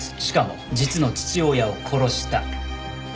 しかも実の父親を殺した。